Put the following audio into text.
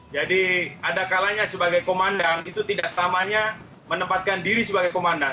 jadi adakalanya sebagai komandan itu tidak selamanya menempatkan diri sebagai komandan